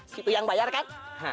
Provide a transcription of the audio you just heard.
situ yang bayar kan